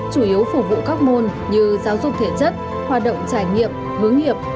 chủ yếu phục vụ các môn như giáo dục thể chất hoạt động trải nghiệm hướng nghiệp